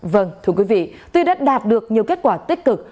vâng thưa quý vị tuy đã đạt được nhiều kết quả tích cực